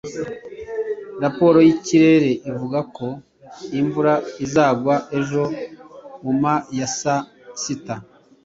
Raporo y’ikirere ivuga ko imvura izagwa ejo uma ya saa sita.